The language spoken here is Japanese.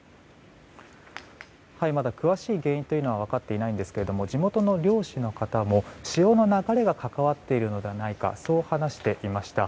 まだ詳しい原因というのは分かっていないんですが地元の漁師の方も潮の流れが関わっているのではないかそう話していました。